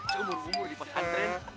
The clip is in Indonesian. saya baru umur di pak san tren